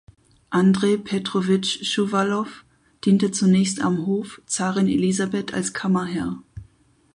Andrei Petrowitsch Schuwalow diente zunächst am Hof Zarin Elisabeth als Kammerherr.